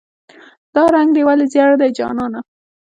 "دا رنګ دې ولې زیړ دی جانانه".